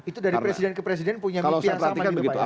itu dari presiden ke presiden punya mimpi yang sama gitu pak ya